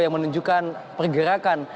yang menunjukkan pergerakan